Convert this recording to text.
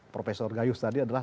profesor gaius tadi adalah